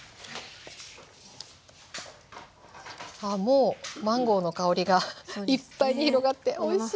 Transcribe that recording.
もうマンゴーの香りがいっぱいに広がっておいしそう。